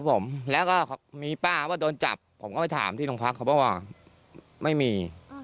ผมแล้วก็มีป้าว่าโดนจับผมก็ไปถามที่โรงพักเขาบอกว่าไม่มี